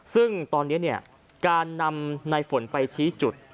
ซึ่งตอนนี้การนำในฝนไปชี้จุด